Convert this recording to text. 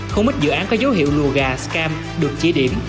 không ít dự án có dấu hiệu luồ gà scam được chỉ điểm